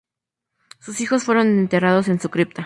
Sus hijos fueron enterrados en su cripta.